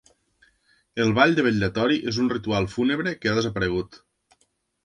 El ball de vetllatori és un ritual fúnebre que ha desaparegut.